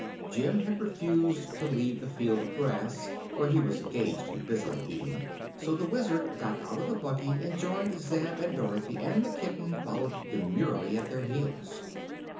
Jim had refused to leave the field of grass, where he was engaged in busily eating; so the Wizard got out of the buggy and joined Zeb and Dorothy, and the kitten followed demurely at their heels.